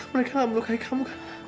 mereka gak melukai kamu